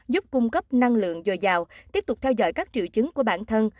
giúp cung cấp năng lượng dồi dào tiếp tục theo dõi các triệu chứng của bản thân